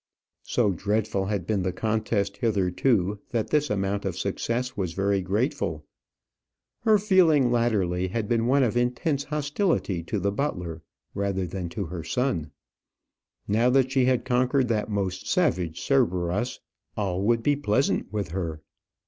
So dreadful had been the contest hitherto, that this amount of success was very grateful. Her feeling latterly had been one of intense hostility to the butler rather than to her son. Now that she had conquered that most savage Cerberus, all would be pleasant with her.